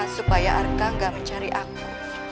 supaya arka gak mencari aku